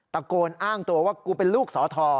ตะโกนอ้างตัวว่ากูเป็นลูกสอทอ